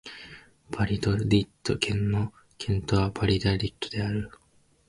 バリャドリッド県の県都はバリャドリッドである